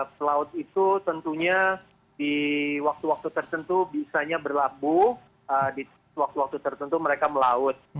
pelaut itu tentunya di waktu waktu tertentu bisanya berlabuh di waktu waktu tertentu mereka melaut